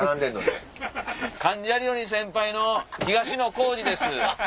「関ジャニより先輩の東野幸治です。